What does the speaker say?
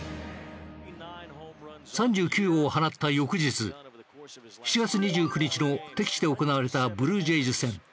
３９号を放った翌日７月２９日の敵地で行われたブルージェイズ戦。